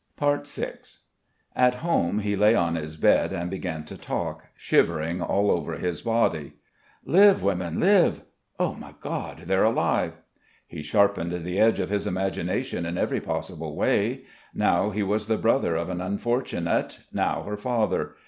VI At home he lay on his bed and began to talk, shivering all over his body. "Live women, live.... My God, they're alive." He sharpened the edge of his imagination in every possible way. Now he was the brother of an unfortunate, now her father.